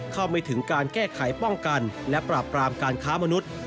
เข้าไม่ถึงการแก้ไขป้องกันและปราบปรามการค้ามนุษย์